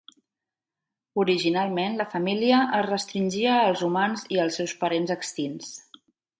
Originalment, la família es restringia als humans i els seus parents extints.